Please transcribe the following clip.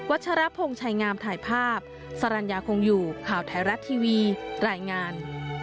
ชรพงศ์ชัยงามถ่ายภาพสรรญาคงอยู่ข่าวไทยรัฐทีวีรายงาน